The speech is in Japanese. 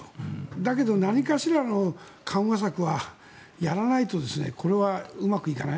だけど、何かしらの緩和策はやらないとこれはうまくいかない。